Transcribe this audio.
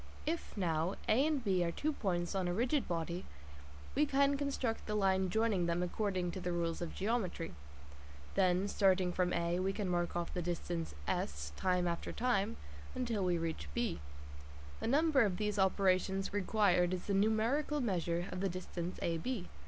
If, now, A and B are two points on a rigid body, we can construct the line joining them according to the rules of geometry ; then, starting from A, we can mark off the distance S time after time until we reach B. The number of these operations required is the numerical measure of the distance AB.